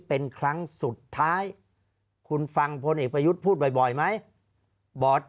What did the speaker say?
เป็นครั้งสุดท้ายคุณฟังพนเอปยุตพูดบ่อยไหมบอร์ด